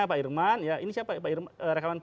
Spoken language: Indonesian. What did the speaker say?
pak irman ini siapa rekaman